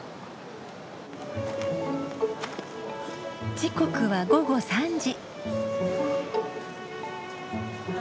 時刻は午後３時。